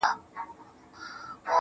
• د پسرلیو له سبا به ترانې وي وني -